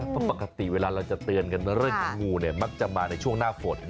เพราะปกติเวลาเราจะเตือนกันเรื่องของงูเนี่ยมักจะมาในช่วงหน้าฝน